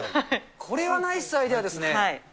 これはナイスアイデアですね。